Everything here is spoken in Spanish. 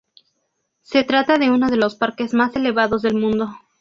Se trata de uno de los parques más elevados del mundo.